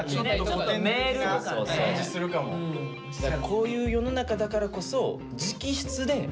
こういう世の中だからこそお！